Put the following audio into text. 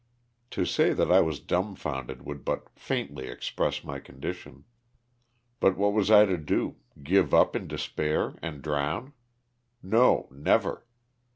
To say that I was dumfounded would but faintly express my condition. But what was I to do; give up in despair and drown? No, never!